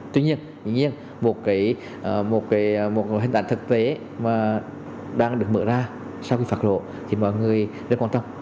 tuy nhiên một hình ảnh thực tế mà đang được mở ra sau khi phạt lộ thì mọi người rất quan tâm